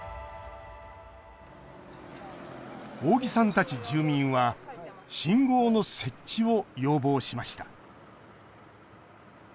大木さんたち住民は信号の設置を要望しました。